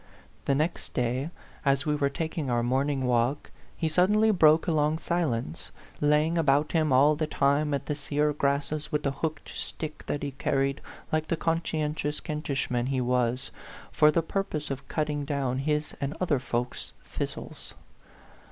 The next day, as we were taking our morning walk, he suddenly broke a long silence, laying about him all the time at the sear grasses with the hooked stick that he carried, like the conscientious Kent ishman he was, for the purpose of cutting down his and other folks' thistles.